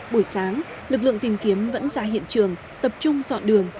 buổi sáng lực lượng tìm kiếm vẫn ra hiện trường tập trung dọn đường